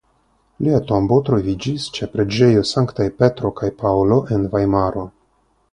Lia tombo troviĝis ĉe Preĝejo Sanktaj Petro kaj Paŭlo en Vajmaro.